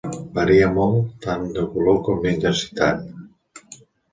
Varia molt tant de color com d'intensitat.